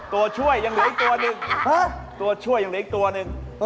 ตัวช่วยยังเหลืออีกตัวหนึ่งตัวช่วยยังเหลืออีกตัวหนึ่ง